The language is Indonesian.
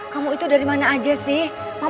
pemburu berhenti masuk